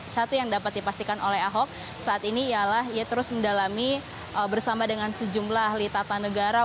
satu yang dapat dipastikan oleh ahok saat ini ialah ia terus mendalami bersama dengan sejumlah ahli tata negara